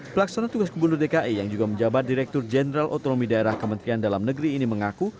pelaksana tugas gubernur dki yang juga menjabat direktur jenderal otonomi daerah kementerian dalam negeri ini mengaku